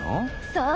そう。